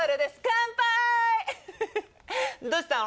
乾杯どうしたの？